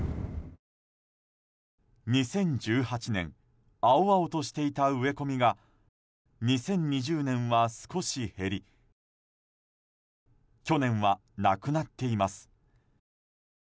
２０１８年青々としていた植え込みが２０２０年は少し減り去年はなくなっています。